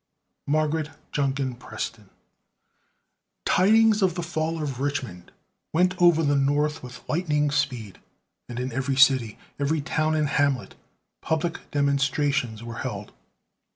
MARGARET JUNKIN PRESTON. Tidings of the fall of Richmond went over the North with lightning speed, and in every city, every town and hamlet, public demonstrations were held.